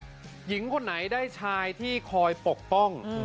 หญิงคนไหนได้ชายที่คอยปกป้อง